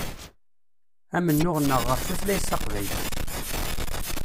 Amennuɣ-nneɣ ɣef tutlayt taqbaylit.